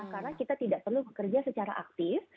karena kita tidak perlu bekerja secara aktif